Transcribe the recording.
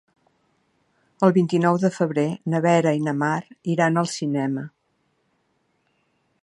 El vint-i-nou de febrer na Vera i na Mar iran al cinema.